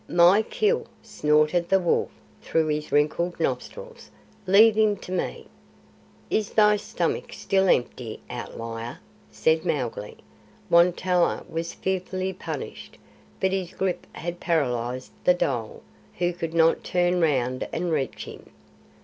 "My kill!" snorted the wolf through his wrinkled nostrils. "Leave him to me." "Is thy stomach still empty, Outlier?" said Mowgli. Won tolla was fearfully punished, but his grip had paralysed the dhole, who could not turn round and reach him.